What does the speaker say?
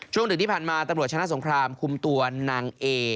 ดึกที่ผ่านมาตำรวจชนะสงครามคุมตัวนางเอ